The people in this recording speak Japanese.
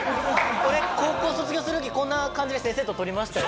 高校卒業する時こんな感じで先生と撮りました。